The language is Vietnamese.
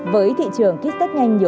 với thị trường kích test nhanh nhiều